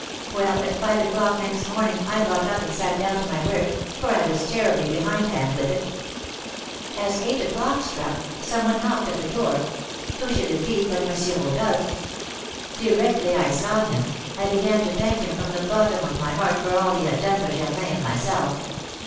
"Well, at five o'clock next morning, I got up and sat down to my work, for I was terribly behindhand with it. As eight o'clock struck some one knocked at the door; who should it be but M. Rodolph! Directly I saw him, I began to thank him from the bottom of my heart for all he had done for Germain and myself.